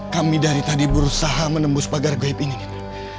kami dari tadi berusaha menembus pagar goib ini nina